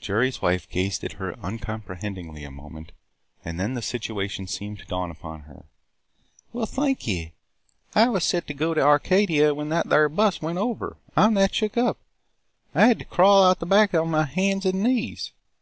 Jerry's wife gazed at her uncomprehendingly a moment and then the situation seemed to dawn upon her. "Well, thank yuh! I was set to go to Arcadia when that thyar bus went over. I 'm that shook up! I had tuh crawl out the back on my hands an' knees!